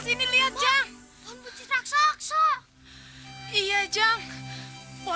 gatapalah aku diajak